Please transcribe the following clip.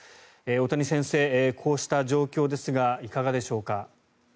大谷先生、こうした状況ですがいかがでしょうか。